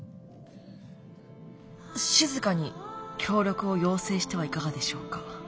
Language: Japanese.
しずかに協力を要請してはいかがでしょうか。